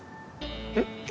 えっ？